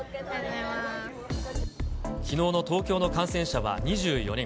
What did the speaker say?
きのうの東京の感染者は２４人。